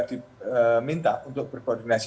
diminta untuk berkoordinasi